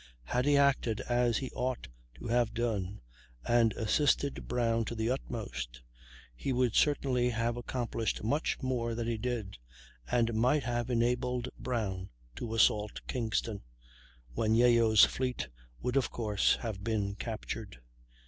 Had he acted as he ought to have done, and assisted Brown to the utmost, he would certainly have accomplished much more than he did, and might have enabled Brown to assault Kingston, when Yeo's fleet would of course have been captured.